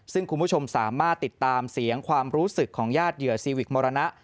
ซึ่งคุณผู้ชมสามารถติดตามเสียงความรู้สึกของญาติเหยื่อซีวิกมรณะ